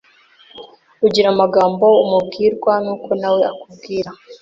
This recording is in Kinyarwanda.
ugira amagambo umubwirwa n’uko nawe akubwira